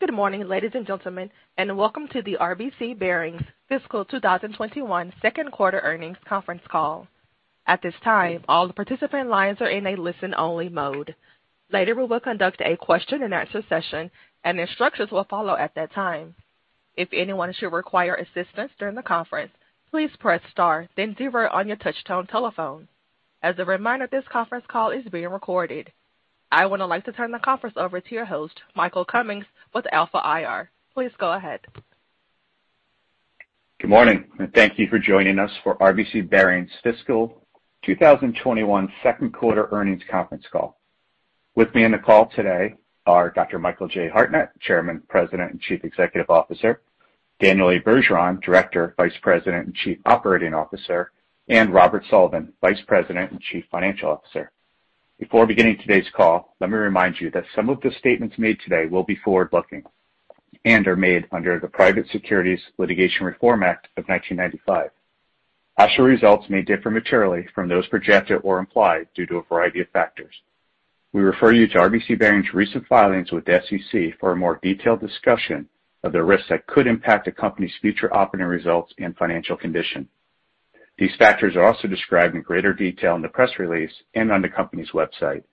Good morning, ladies and gentlemen, and welcome to the RBC Bearings Fiscal 2021 Second Quarter Earnings Conference Call. At this time, all participant lines are in a listen-only mode. Later, we will conduct a question-and-answer session, and instructions will follow at that time. If anyone should require assistance during the conference, please press star, then zero on your touch-tone telephone. As a reminder, this conference call is being recorded. I would now like to turn the conference over to your host, Michael Cummings with Alpha IR. Please go ahead. Good morning, and thank you for joining us for RBC Bearings Fiscal 2021 Second Quarter Earnings Conference Call. With me on the call today are Dr. Michael J. Hartnett, Chairman, President, and Chief Executive Officer, Daniel Bergeron, Director, Vice President, and Chief Operating Officer, and Robert Sullivan, Vice President and Chief Financial Officer. Before beginning today's call, let me remind you that some of the statements made today will be forward-looking and are made under the Private Securities Litigation Reform Act of 1995. Actual results may differ materially from those projected or implied due to a variety of factors. We refer you to RBC Bearings' recent filings with the SEC for a more detailed discussion of the risks that could impact a company's future operating results and financial condition. These factors are also described in greater detail in the press release and on the company's website.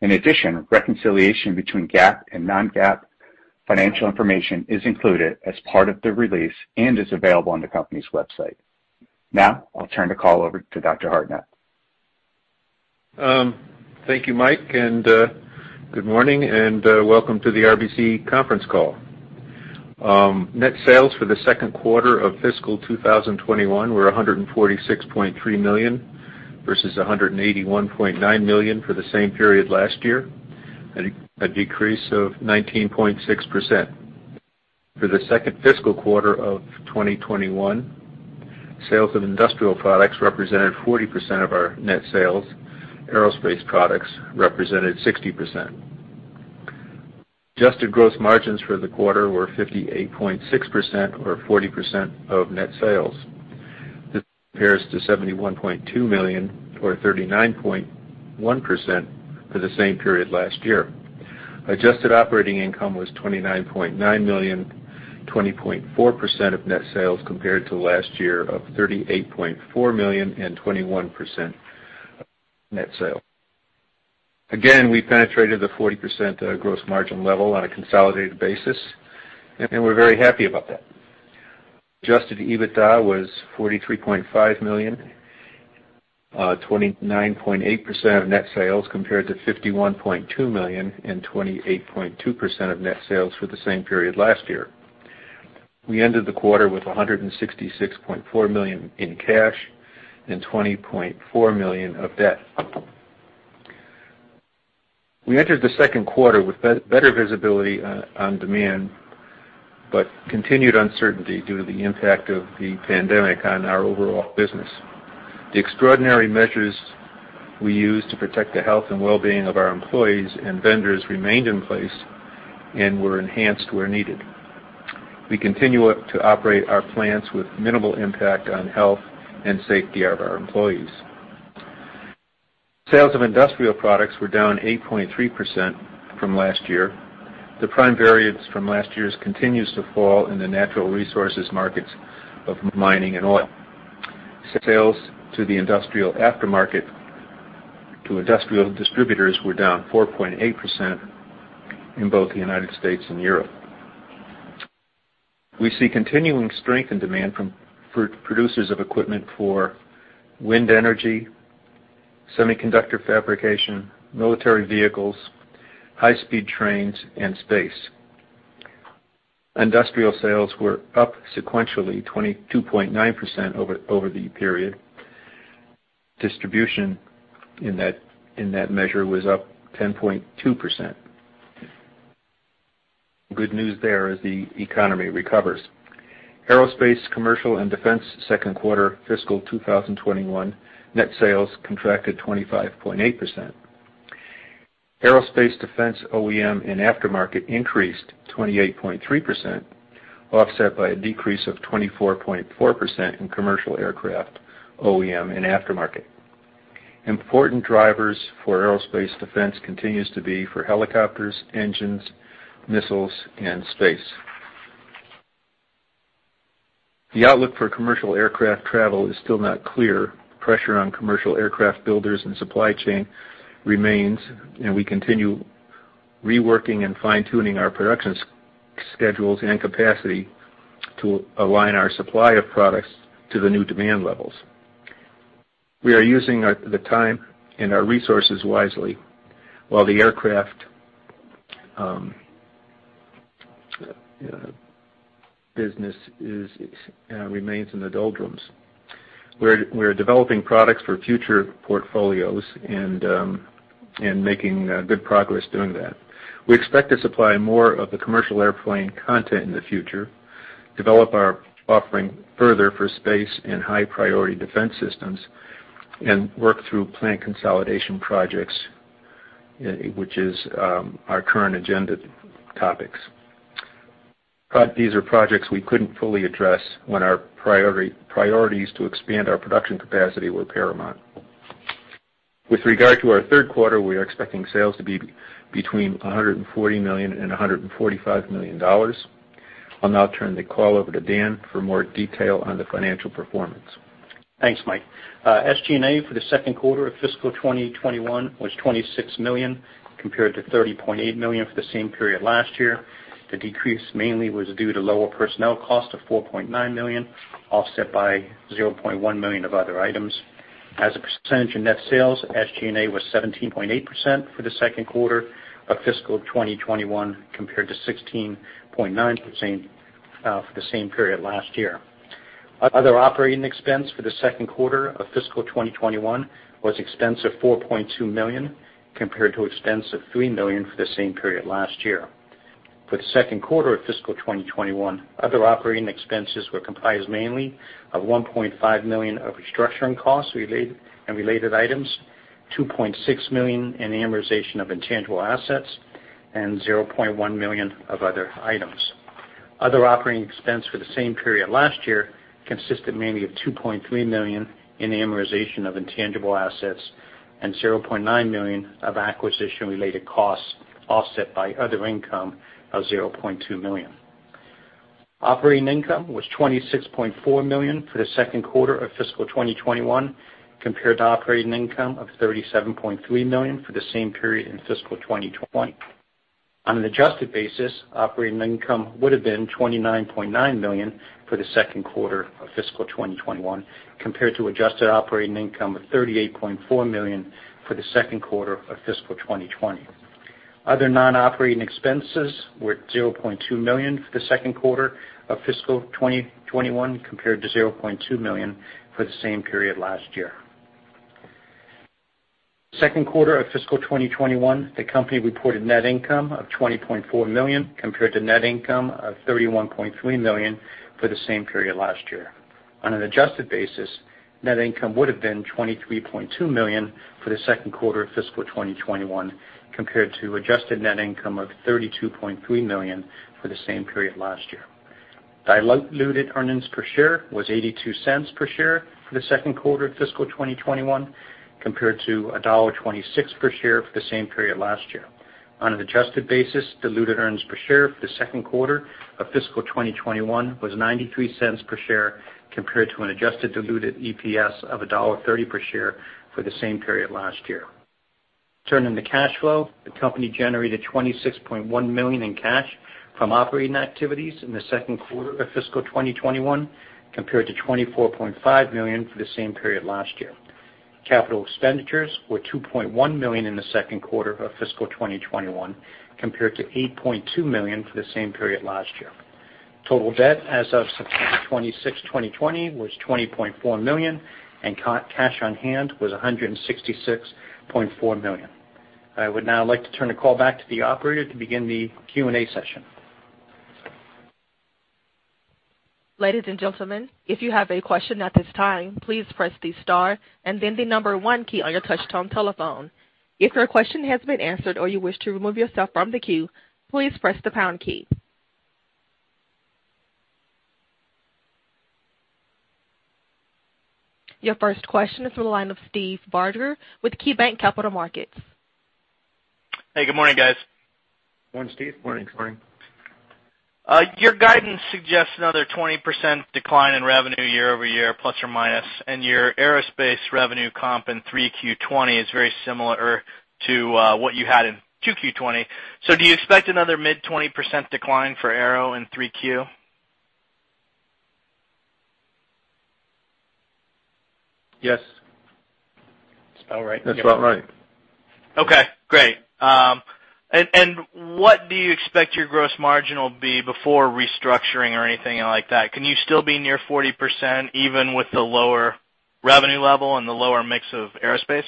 In addition, reconciliation between GAAP and non-GAAP financial information is included as part of the release and is available on the company's website. Now, I'll turn the call over to Dr. Hartnett. Thank you, Mike, and good morning, and welcome to the RBC Conference Call. Net sales for the second quarter of fiscal 2021 were $146.3 million versus $181.9 million for the same period last year, a decrease of 19.6%. For the second fiscal quarter of 2021, sales of industrial products represented 40% of our net sales. Aerospace products represented 60%. Adjusted gross profit for the quarter was $58.6 million, or 40% of net sales. This compares to $71.2 million or 39.1% for the same period last year. Adjusted operating income was $29.9 million, 20.4% of net sales compared to last year of $38.4 million and 21% of net sales. Again, we penetrated the 40% gross margin level on a consolidated basis, and we're very happy about that. Adjusted EBITDA was $43.5 million, 29.8% of net sales compared to $51.2 million and 28.2% of net sales for the same period last year. We ended the quarter with $166.4 million in cash and $20.4 million of debt. We entered the second quarter with better visibility on demand but continued uncertainty due to the impact of the pandemic on our overall business. The extraordinary measures we used to protect the health and well-being of our employees and vendors remained in place and were enhanced where needed. We continue to operate our plants with minimal impact on health and safety of our employees. Sales of industrial products were down 8.3% from last year. The prime variance from last year continues to fall in the natural resources markets of mining and oil. Sales to the industrial aftermarket to industrial distributors were down 4.8% in both the United States and Europe. We see continuing strength in demand from producers of equipment for wind energy, semiconductor fabrication, military vehicles, high-speed trains, and space. Industrial sales were up sequentially 22.9% over the period. Distribution in that measure was up 10.2%. Good news there as the economy recovers. Aerospace, commercial, and defense second quarter fiscal 2021 net sales contracted 25.8%. Aerospace, defense, OEM, and aftermarket increased 28.3%, offset by a decrease of 24.4% in commercial aircraft OEM and aftermarket. Important drivers for aerospace defense continue to be for helicopters, engines, missiles, and space. The outlook for commercial aircraft travel is still not clear. Pressure on commercial aircraft builders and supply chain remains, and we continue reworking and fine-tuning our production schedules and capacity to align our supply of products to the new demand levels. We are using the time and our resources wisely while the aircraft business remains in the doldrums. We're developing products for future portfolios and making good progress doing that. We expect to supply more of the commercial airplane content in the future, develop our offering further for space and high-priority defense systems, and work through plant consolidation projects, which is our current agenda topics. These are projects we couldn't fully address when our priorities to expand our production capacity were paramount. With regard to our third quarter, we are expecting sales to be between $140 million and $145 million. I'll now turn the call over to Dan for more detail on the financial performance. Thanks, Mike. SG&A for the second quarter of fiscal 2021 was $26 million compared to $30.8 million for the same period last year. The decrease mainly was due to lower personnel cost of $4.9 million, offset by $0.1 million of other items. As a percentage of net sales, SG&A was 17.8% for the second quarter of fiscal 2021 compared to 16.9% for the same period last year. Other operating expense for the second quarter of fiscal 2021 was expense of $4.2 million compared to expense of $3 million for the same period last year. For the second quarter of fiscal 2021, other operating expenses were comprised mainly of $1.5 million of restructuring costs and related items, $2.6 million in amortization of intangible assets, and $0.1 million of other items. Other operating expense for the same period last year consisted mainly of $2.3 million in amortization of intangible assets and $0.9 million of acquisition-related costs, offset by other income of $0.2 million. Operating income was $26.4 million for the second quarter of fiscal 2021 compared to operating income of $37.3 million for the same period in fiscal 2020. On an adjusted basis, operating income would have been $29.9 million for the second quarter of fiscal 2021 compared to adjusted operating income of $38.4 million for the second quarter of fiscal 2020. Other non-operating expenses were $0.2 million for the second quarter of fiscal 2021 compared to $0.2 million for the same period last year. Second quarter of fiscal 2021, the company reported net income of $20.4 million compared to net income of $31.3 million for the same period last year. On an adjusted basis, net income would have been $23.2 million for the second quarter of fiscal 2021 compared to adjusted net income of $32.3 million for the same period last year. Diluted earnings per share was $0.82 per share for the second quarter of fiscal 2021 compared to $1.26 per share for the same period last year. On an adjusted basis, diluted earnings per share for the second quarter of fiscal 2021 was $0.93 per share compared to an adjusted diluted EPS of $1.30 per share for the same period last year. Turning to cash flow, the company generated $26.1 million in cash from operating activities in the second quarter of fiscal 2021 compared to $24.5 million for the same period last year. Capital expenditures were $2.1 million in the second quarter of fiscal 2021 compared to $8.2 million for the same period last year. Total debt as of September 26, 2020, was $20.4 million, and cash on hand was $166.4 million. I would now like to turn the call back to the operator to begin the Q&A session. Ladies and gentlemen, if you have a question at this time, please press the star and then the number one key on your touch-tone telephone. If your question has been answered or you wish to remove yourself from the queue, please press the pound key. Your first question is from the line of Steve Barger with KeyBanc Capital Markets. Hey, good morning, guys. Morning, Steve. Morning. Good morning. Your guidance suggests another 20% decline in revenue year-over-year, plus or minus, and your aerospace revenue comp in 3Q20 is very similar to what you had in 2Q20. So do you expect another mid-20% decline for aero in 3Q? Yes. Spelled right. That's about right. Okay, great. What do you expect your gross margin will be before restructuring or anything like that? Can you still be near 40% even with the lower revenue level and the lower mix of aerospace?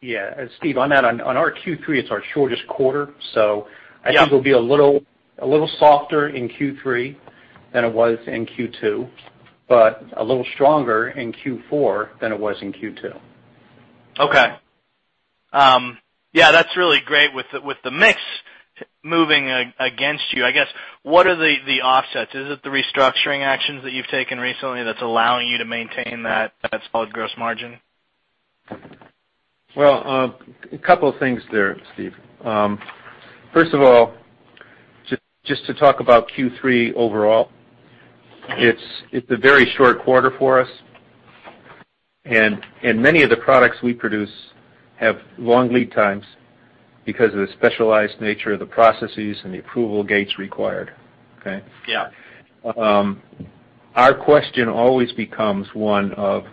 Yeah. Steve, on our Q3, it's our shortest quarter, so I think we'll be a little softer in Q3 than it was in Q2, but a little stronger in Q4 than it was in Q2. Okay. Yeah, that's really great with the mix moving against you. I guess, what are the offsets? Is it the restructuring actions that you've taken recently that's allowing you to maintain that solid gross margin? Well, a couple of things there, Steve. First of all, just to talk about Q3 overall, it's a very short quarter for us, and many of the products we produce have long lead times because of the specialized nature of the processes and the approval gates required, okay? Yeah. Our question always becomes one of,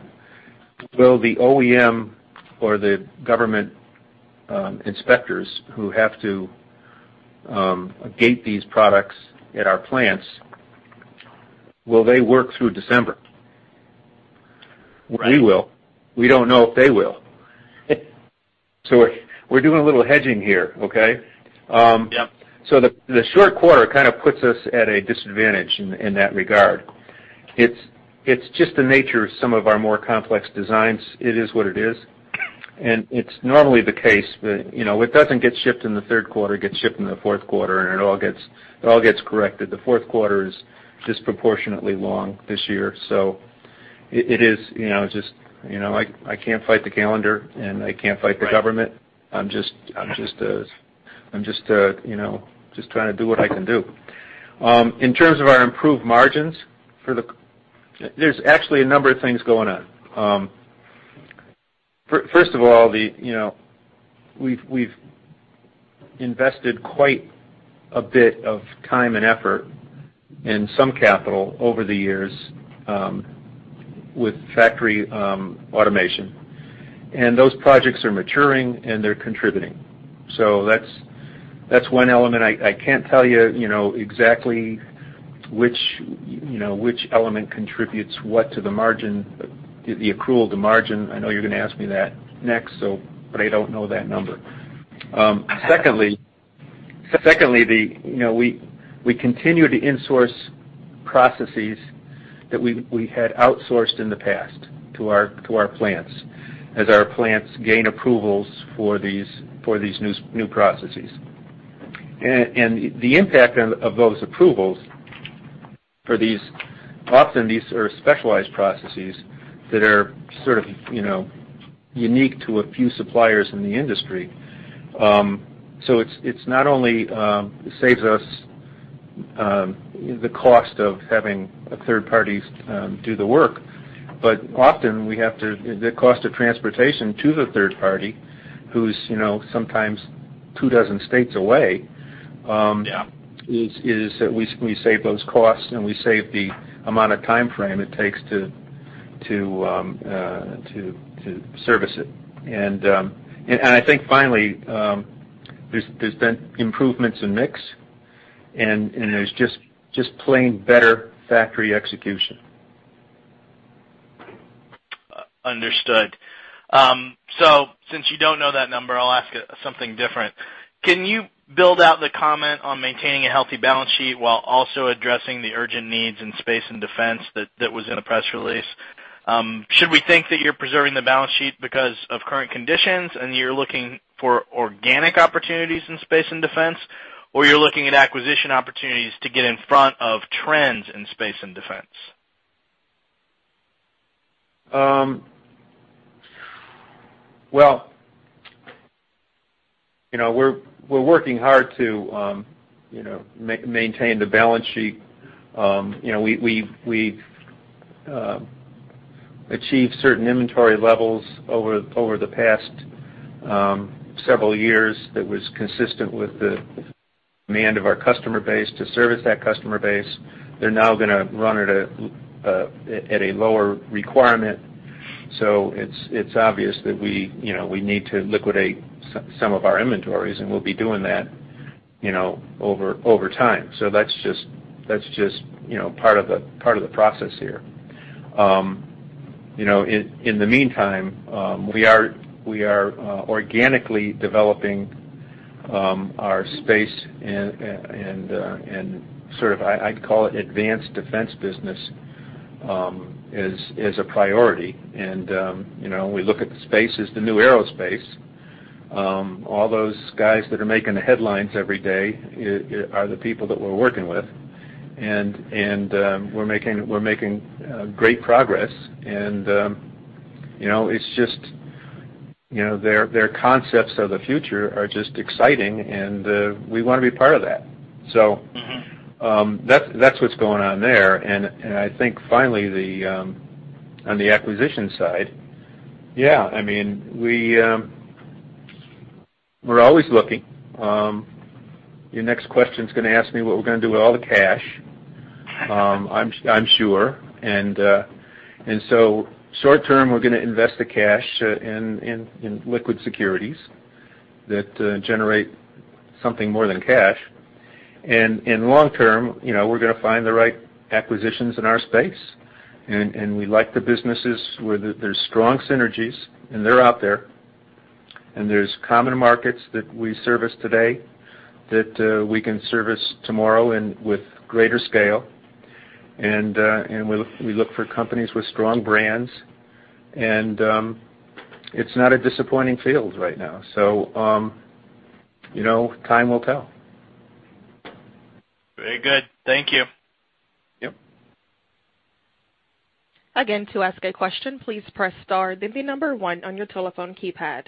will the OEM or the government inspectors who have to gate these products at our plants, will they work through December? We will. We don't know if they will. So we're doing a little hedging here, okay? So the short quarter kind of puts us at a disadvantage in that regard. It's just the nature of some of our more complex designs. It is what it is, and it's normally the case. What doesn't get shipped in the third quarter gets shipped in the fourth quarter, and it all gets corrected. The fourth quarter is disproportionately long this year, so it is just I can't fight the calendar, and I can't fight the government. I'm just trying to do what I can do. In terms of our improved margins for the there's actually a number of things going on. First of all, we've invested quite a bit of time and effort and some capital over the years with factory automation, and those projects are maturing, and they're contributing. So that's one element. I can't tell you exactly which element contributes what to the margin, the accrual to margin. I know you're going to ask me that next, but I don't know that number. Secondly, we continue to insource processes that we had outsourced in the past to our plants as our plants gain approvals for these new processes. And the impact of those approvals for these, often, these are specialized processes that are sort of unique to a few suppliers in the industry. So it's not only it saves us the cost of having a third party do the work, but often, we have to the cost of transportation to the third party, who's sometimes 24 states away, is that we save those costs, and we save the amount of time frame it takes to service it. And I think, finally, there's been improvements in mix, and there's just plain better factory execution. Understood. So since you don't know that number, I'll ask something different. Can you build out the comment on maintaining a healthy balance sheet while also addressing the urgent needs in space and defense that was in a press release? Should we think that you're preserving the balance sheet because of current conditions, and you're looking for organic opportunities in space and defense, or you're looking at acquisition opportunities to get in front of trends in space and defense? Well, we're working hard to maintain the balance sheet. We've achieved certain inventory levels over the past several years that was consistent with the demand of our customer base to service that customer base. They're now going to run at a lower requirement, so it's obvious that we need to liquidate some of our inventories, and we'll be doing that over time. So that's just part of the process here. In the meantime, we are organically developing our space and sort of I'd call it advanced defense business as a priority. And we look at the space as the new aerospace. All those guys that are making the headlines every day are the people that we're working with, and we're making great progress. And it's just their concepts of the future are just exciting, and we want to be part of that. So that's what's going on there. I think, finally, on the acquisition side, yeah, I mean, we're always looking. Your next question's going to ask me what we're going to do with all the cash, I'm sure. So short term, we're going to invest the cash in liquid securities that generate something more than cash. Long term, we're going to find the right acquisitions in our space, and we like the businesses where there's strong synergies, and they're out there. There's common markets that we service today that we can service tomorrow with greater scale. We look for companies with strong brands, and it's not a disappointing field right now. So time will tell. Very good. Thank you. Yep. Again, to ask a question, please press star. Then the number one on your telephone keypad.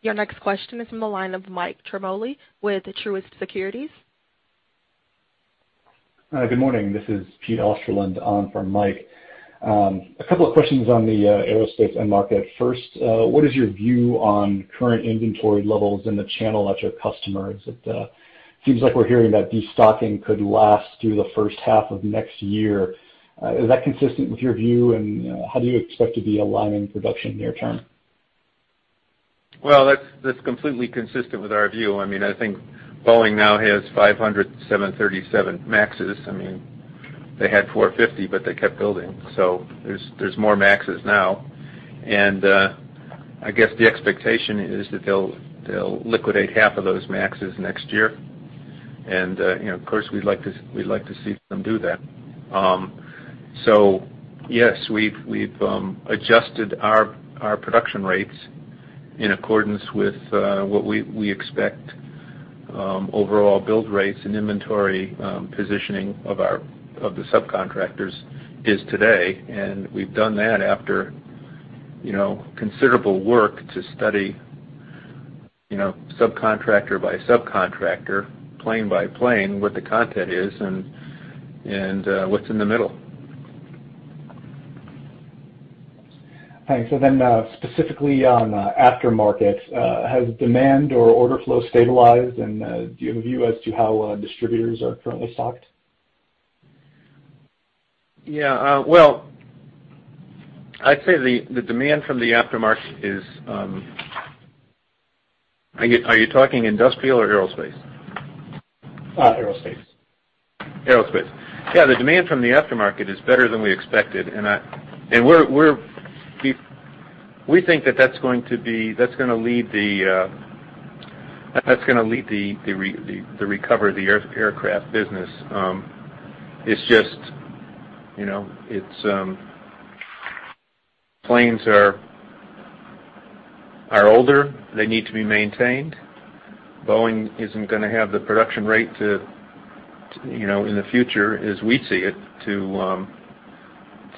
Your next question is from the line of Mike Ciarmoli with Truist Securities. Good morning. This is Pete Osterland on from Mike. A couple of questions on the aerospace and market. First, what is your view on current inventory levels in the channel at your customers? It seems like we're hearing that destocking could last through the first half of next year. Is that consistent with your view, and how do you expect to be aligning production near term? Well, that's completely consistent with our view. I mean, I think Boeing now has 500 737 MAXes. I mean, they had 450, but they kept building, so there's more MAXes now. And I guess the expectation is that they'll liquidate half of those MAXes next year. And of course, we'd like to see them do that. So yes, we've adjusted our production rates in accordance with what we expect overall build rates and inventory positioning of the subcontractors is today. And we've done that after considerable work to study subcontractor by subcontractor, plane by plane, what the content is and what's in the middle. All right. So then specifically on aftermarket, has demand or order flow stabilized, and do you have a view as to how distributors are currently stocked? Yeah. Well, I'd say the demand from the aftermarket, are you talking industrial or aerospace? Aerospace. Aerospace. Yeah, the demand from the aftermarket is better than we expected, and we think that's going to lead the recovery of the aircraft business. It's just planes are older. They need to be maintained. Boeing isn't going to have the production rate to in the future, as we see it,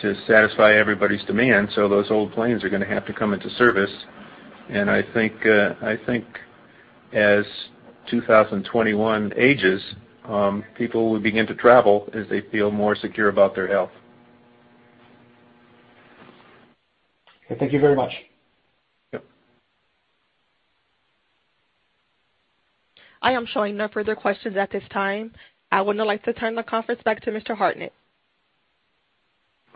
to satisfy everybody's demand. So those old planes are going to have to come into service. And I think as 2021 ages, people will begin to travel as they feel more secure about their health. Okay. Thank you very much. Yep. I am showing no further questions at this time. I would now like to turn the conference back to Mr. Hartnett.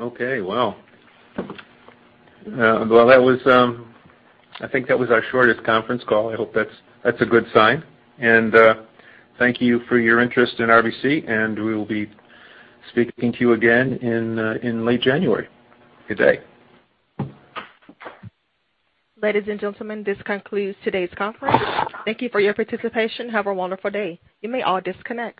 Okay. Well, I think that was our shortest conference call. I hope that's a good sign. And thank you for your interest in RBC, and we will be speaking to you again in late January today. Ladies and gentlemen, this concludes today's conference. Thank you for your participation. Have a wonderful day. You may all disconnect.